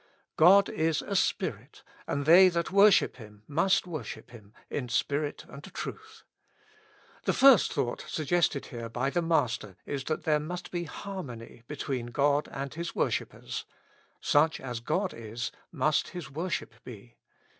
*' God is a Spirit, and they that worship Him must worship Him iit spirit and truth." The first thought suggested here by the Master is that there must be harmony between God and His worshippers ; such asGodis, must His worship be.